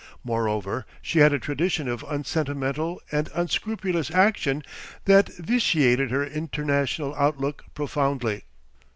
Moreover, she had a tradition of unsentimental and unscrupulous action that vitiated her international outlook profoundly.